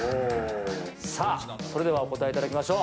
さあ、それではお答えいただきましょう。